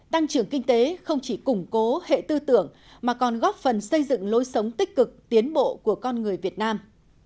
tăng trưởng kinh tế không chỉ củng cố hệ tư tưởng mà còn góp phần xây dựng lối sống tích cực tiến bộ của con người việt nam